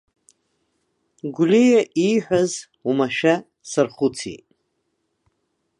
Гәлиа ииҳәаз уамашәа сархәыцит.